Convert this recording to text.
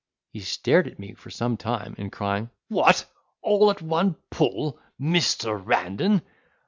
He stared at me for some time, and crying, "What! all at one pull, Measter Randan?"